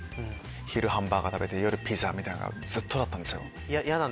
昼ハンバーガー食べて夜ピザみたいなずっとだった。